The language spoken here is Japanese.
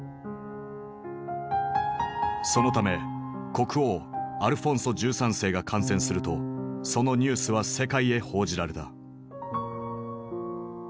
そのため国王アルフォンソ１３世が感染するとそのニュースは世界へ報じられた。